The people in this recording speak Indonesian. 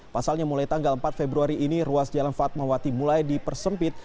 pasalnya mulai tanggal empat februari ini ruas jalan fatmawati mulai dipersempit